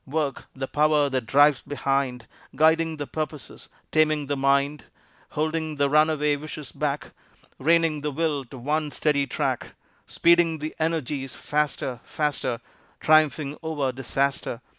Work, the Power that drives behind, Guiding the purposes, taming the mind, Holding the runaway wishes back, Reining the will to one steady track, Speeding the energies faster, faster, Triumphing over disaster.